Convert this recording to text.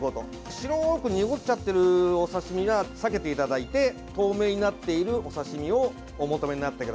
白く濁っちゃってるお刺身は避けていただいて透明になっているお刺身をお求めになってください。